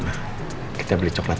rena suka rasa coklat